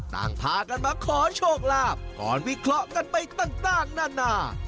ต่างพากันมาขอโชคลาภก่อนวิเคราะห์กันไปต่างนานา